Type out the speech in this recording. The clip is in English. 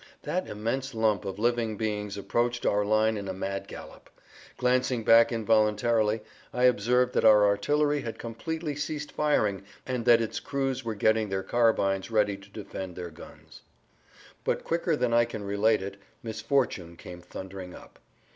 That immense lump of living beings approached our line in a mad gallop. Glancing back involuntarily I observed that our artillery had completely ceased firing and that its crews were getting their carbines ready to defend their guns. But quicker than I can relate it misfortune came thundering up.